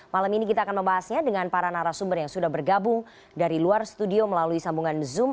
malam ini kita akan membahasnya dengan para narasumber yang sudah bergabung dari luar studio melalui sambungan zoom